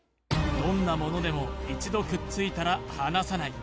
どんなものでも一度くっついたら離さない